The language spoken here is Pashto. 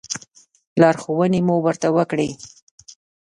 لارښوونې مو ورته وکړې.